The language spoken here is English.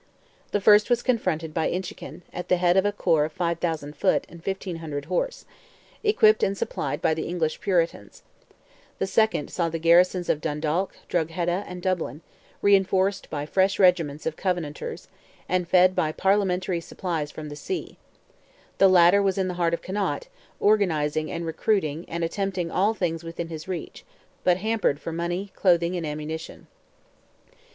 The first was confronted by Inchiquin, at the head of a corps of 5,000 foot and 1,500 horse, equipped and supplied by the English Puritans; the second saw the garrisons of Dundalk, Drogheda, and Dublin, reinforced by fresh regiments of Covenanters, and fed by Parliamentary supplies from the sea; the latter was in the heart of Connaught, organizing and recruiting and attempting all things within his reach, but hampered for money, clothing and ammunition.